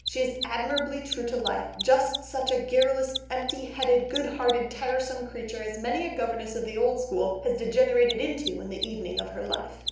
She is admirably true to life, just such a garrulous, empty headed, good hearted, tiresome creature as many a governess of the old school has degenerated into in the evening of her life.